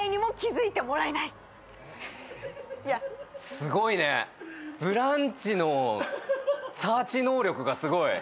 すごいね「ブランチ」のサーチ能力がすごい。